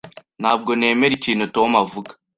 Ntabwo nemera ikintu Tom avuga.